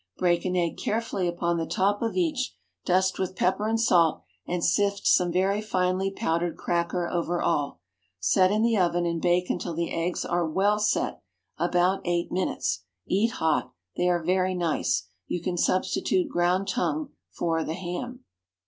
Break an egg carefully upon the top of each, dust with pepper and salt, and sift some very finely powdered cracker over all. Set in the oven, and bake until the eggs are well set—about eight minutes. Eat hot. They are very nice. You can substitute ground tongue for the ham.